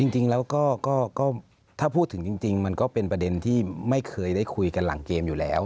จริงแล้วก็ถ้าพูดถึงจริงมันก็เป็นประเด็นที่ไม่เคยได้คุยกันหลังเกมอยู่แล้ว